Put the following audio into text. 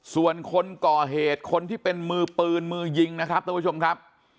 ส่วนคนก่อเหตุคนที่เป็นมือปืนมือยิงนะครับท่านผู้ชมครับ